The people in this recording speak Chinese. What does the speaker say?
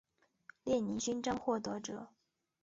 列宁勋章获得者。